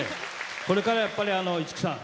これからはやっぱり五木さん